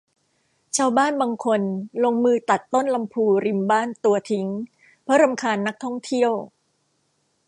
ชาวบ้านบางคนลงมือตัดต้นลำพูริมบ้านตัวทิ้ง เพราะรำคาญนักท่องเที่ยว